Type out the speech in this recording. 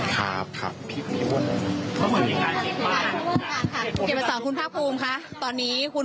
ครับครับประมาณนั้นค่ะ